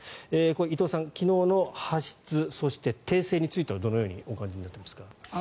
伊藤さん、昨日の発出そして訂正についてはどのようにお感じになっていますか？